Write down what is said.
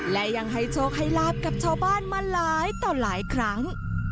และยังให้โชคให้ลาบกับชาวบ้านมาหลายต่อหลายครั้ง